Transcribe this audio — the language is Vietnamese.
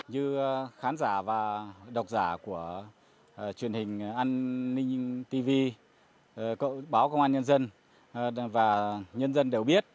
như khán giả và độc giả của truyền hình an ninh tv cậu báo công an nhân dân và nhân dân đều biết